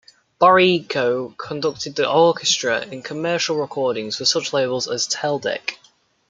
Boreyko conducted the orchestra in commercial recordings for such labels as Teldec.